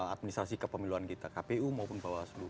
administrasi kepemiluan kita kpu maupun bawaslu